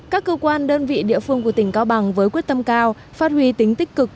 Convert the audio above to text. các cơ quan đơn vị địa phương của tỉnh cao bằng với quyết tâm cao phát huy tính tích cực